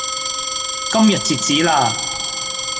今日截止啦